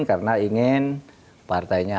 karena ingin partainya